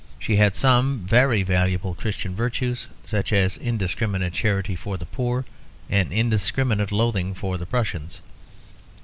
She had some very valuable Christian virtues, such as indiscriminate charity for the poor and indiscriminate loathing for the Prussians.